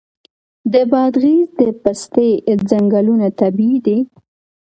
د بادغیس د پستې ځنګلونه طبیعي دي.